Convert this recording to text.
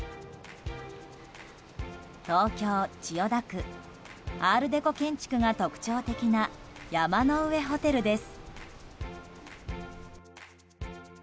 東京・千代田区アール・デコ建築が特徴的な山の上ホテルです。